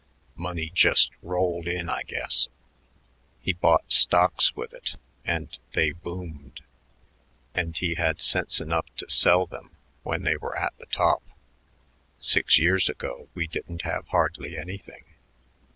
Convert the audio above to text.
Money just rolled in, I guess. He bought stocks with it, and they boomed; and he had sense enough to sell them when they were at the top. Six years ago we didn't have hardly anything.